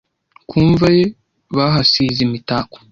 ku mva ye bahasize imitako